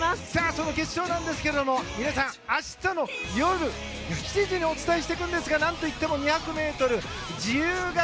その決勝なんですが皆さん、明日の夜７時にお伝えしていくんですが何といっても２００ｍ自由形。